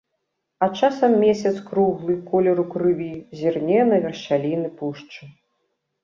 А часам месяц круглы, колеру крыві, зірне на вершаліны пушчы.